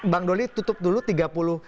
bang doli tutup dulu